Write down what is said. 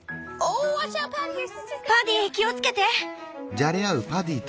パディ気をつけて！